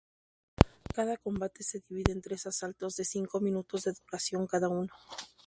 Cada combate se divide en tres asaltos de cinco minutos de duración cada uno.